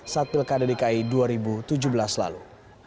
saat pilkada dki dua ribu tujuh belas lalu